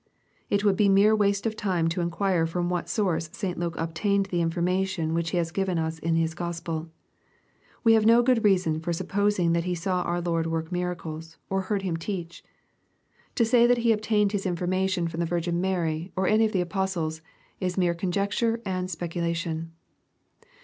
It would bo mere waste of time to inquire from what source St. Luke obtained the information which he has given us in his Gospel. We have no good reason for supposing that he saw our Lord work miracles, or heard Him teach. To say that he obtained his information EXPOSITORY TH0U0HT8. from the Virgin Mary, or any of the apostles, is mere conjecture and speculation.